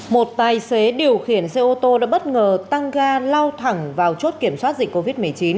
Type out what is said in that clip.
một tài xế điều khiển xe ô tô đã bất ngờ tăng ga lao thẳng vào chốt kiểm soát dịch covid một mươi chín